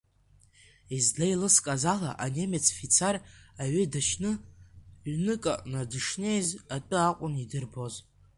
Излеилыскааз ала анемец фицар аҩы дашьны, ҩнык аҟны дышнеиз атәы акәын идирбоз.